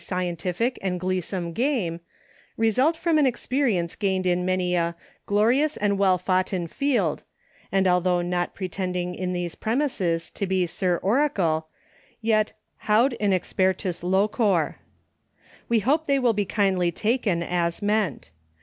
scientific and gleesome game, result from an experience gained in many a " glorious and weli foughten field, " and although not pre tending in these premises to be Sir Oracle yet hand ineacpertm loquor. We hope they will be kindly taken, as meant.